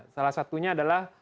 salah satunya adalah